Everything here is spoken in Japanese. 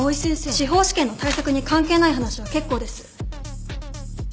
司法試験の対策に関係ない話は結構です。